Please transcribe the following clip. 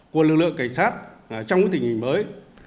của lực lượng cảnh sát trong tình hình mới